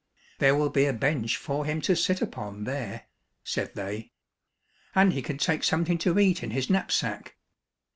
" There will be a bench for him to sit upon there," said they ;" and he can take something to eat in his knapsack."